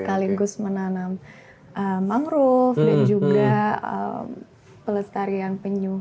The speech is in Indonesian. sekaligus menanam mangrove dan juga pelestarian penyu